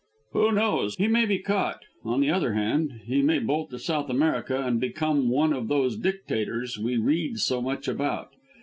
"Who knows. He may be caught; on the other hand, he may bolt to South America and become one of those Dictators we read so much about.